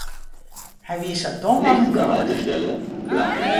Hy wie sa dom as in kroade.